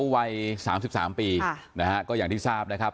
วัยสามสิบสามปีนะฮะก็อย่างที่ทราบนะครับ